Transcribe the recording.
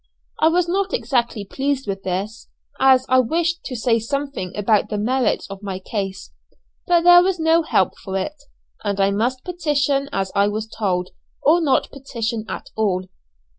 I was not exactly pleased with this, as I wished to say something about the merits of my case; but there was no help for it, and I must petition as I was told, or not petition at all.